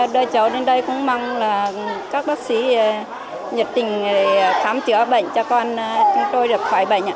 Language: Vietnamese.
đưa cháu đến đây cũng mong là các bác sĩ nhiệt tình khám chữa bệnh cho con chúng tôi được khỏi bệnh